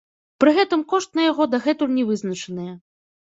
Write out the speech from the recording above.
Пры гэтым кошт на яго дагэтуль не вызначаныя.